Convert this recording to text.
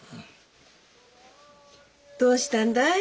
どうしたんだい？